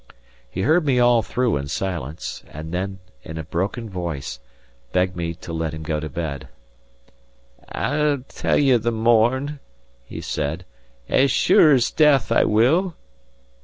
He heard me all through in silence; and then, in a broken voice, begged me to let him go to bed. "I'll tell ye the morn," he said; "as sure as death I will."